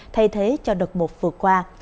thay thế cho đợt một vượt qua